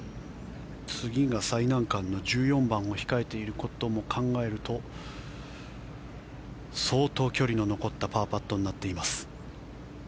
次が最難関の１４番を控えていることも考えると相当、距離の残ったパーパットになっています。